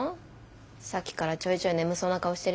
さっきからちょいちょい眠そうな顔してるよ。